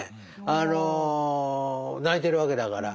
あの泣いてるわけだから。